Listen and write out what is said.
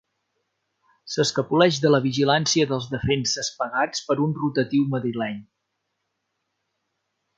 S'escapoleix de la vigilància dels defenses pagats per un rotatiu madrileny.